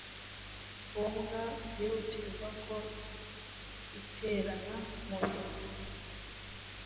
ngombwa byihutirwa ko iterana mu bihe